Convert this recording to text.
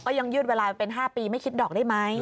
ยังยืดเวลาเป็น๕ปีไม่คิดดอกได้ไหม